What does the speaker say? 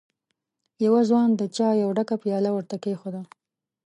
يوه ځوان د چايو ډکه پياله ور ته کېښوده.